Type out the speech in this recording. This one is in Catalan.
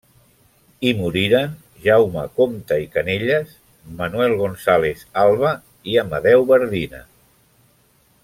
Hi moriren Jaume Compte i Canelles, Manuel González Alba i Amadeu Bardina.